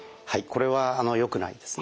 これはよくないですね。